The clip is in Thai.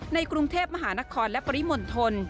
ในกรุงเทพมหานครและปริมณฑล